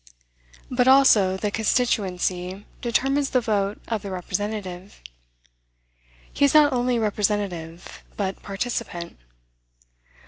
But also the constituency determines the vote of the representative. He is not only representative, but participant.